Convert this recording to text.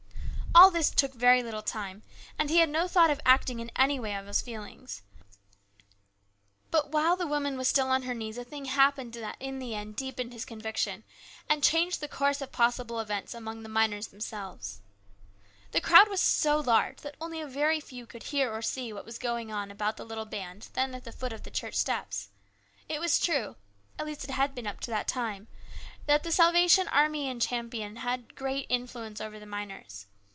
All this took very little time, and he had no thought of acting in any way on his feelings. But while the woman was still on her knees a thing happened that in the end deepened his conviction, and changed the course of possible events among the miners themselves. The crowd was so large that only a very few could hear or see what was going on about the little band then at the foot of the church steps. It was true at least it had been up to this time that the Salvation Army in Champion had great influence over the miners.